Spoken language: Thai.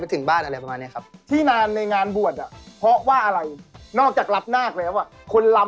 ไปรูปราคาครับตอนนี้ทั้งวงล่ะนะครับผม